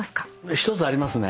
１つありますね。